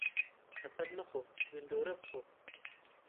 خەفەت مەخۆ، گندۆره بخۆ.